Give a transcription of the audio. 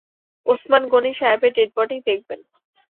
ওসমান গনি সাহেবের dead body দেখবেন।